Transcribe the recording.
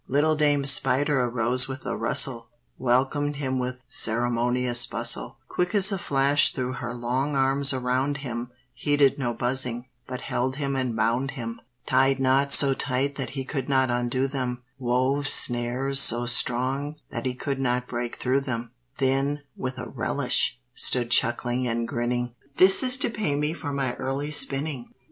Little Dame Spider arose with a rustle, Welcomed him with ceremonious bustle; Quick as a flash threw her long arms around him, Heeded no buzzing, but held him and bound him; Tied knots so tight that he could not undo them; Wove snares so strong that he could not break through them; Then, with a relish, stood chuckling and grinning, "This is to pay me for my early spinning!"